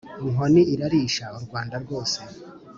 inkoni irarisha u rwanda rwose.